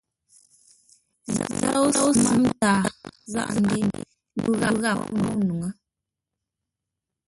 Záp tóusʉ mə̂m-taa, záʼa-ndě ndu ghap poŋə́ nuŋú.